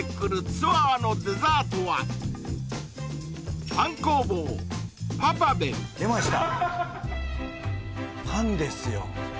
ツアーのデザートは出ました